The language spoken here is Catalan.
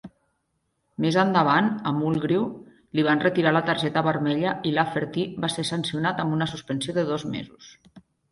Més endavant, a Mulgrew li van retirar la targeta vermella i Lafferty va ser sancionat amb una suspensió de dos mesos.